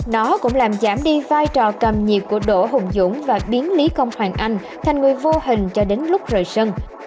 nó cũng làm giảm đi vai trò cầm nhiệt của đỗ hùng dũng và biến lý công hoàng anh thành người vô hình cho đến lúc rời sân